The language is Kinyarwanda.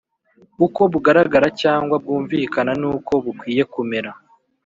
uko bugaragara cyangwa bwumvikana n’uko bukwiye kumera.